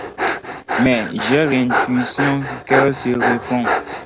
Mais j’ai l’intuition qu’elles se répondent.